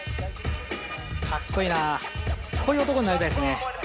かっこいいなあ、こういう男になりたいですね。